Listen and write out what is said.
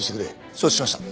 承知しました。